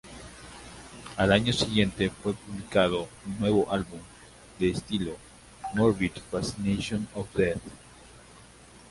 Al año siguiente fue publicado un nuevo álbum de estudio, "Morbid Fascination of Death".